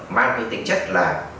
mang cái tính chất là